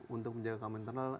untuk menjaga keamanan internal